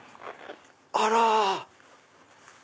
あら！